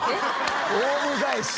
オウム返し。